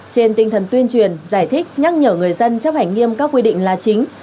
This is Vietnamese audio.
trên tinh thần tuyên truyền giải thích nhắc nhở người dân chấp hành nghiêm các quy định là chính